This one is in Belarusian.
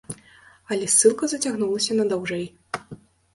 Але ссылка зацягнулася надаўжэй.